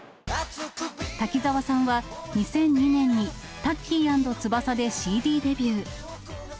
滝沢さんは２００２年にタッキー＆翼でＣＤデビュー。